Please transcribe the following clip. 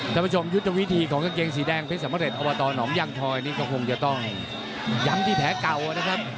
ท่านผู้ชมยุทธวิธีของกางเกงสีแดงเพชรสำเร็จอบตหนองยังทอยนี่ก็คงจะต้องย้ำที่แผลเก่านะครับ